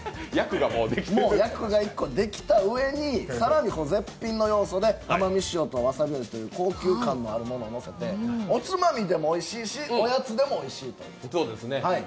もう役が１個できたうえに更に絶品の要素で浜御塩とわさび味高級感のあるものを乗せておつまみでも、おいしいしおやつでもおいしいという。